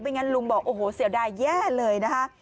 งั้นลุงบอกโอ้โหเสียดายแย่เลยนะคะ